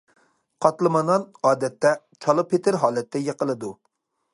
قاتلىما نان، ئادەتتە، چالا پېتىر ھالەتتە يېقىلىدۇ.